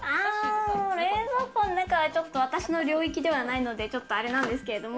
冷蔵庫の中は、ちょっと私の領域ではないのでアレなんですけれども。